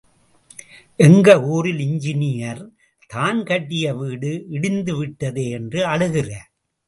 எங்க ஊரில் இஞ்சினீயர், தான் கட்டிய வீடு இடிந்து விட்டதே என்று அழுகிறார்.